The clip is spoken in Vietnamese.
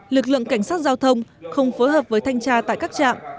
lực lượng cảnh sát giao thông không phối hợp với thanh tra tại các trạm